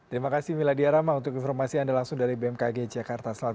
terima kasih miladya rama untuk informasi yang ada langsung dari bmkg jakarta selatan